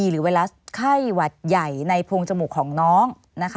ไวรัสไข้หวัดใหญ่ในโพงจมูกของน้อง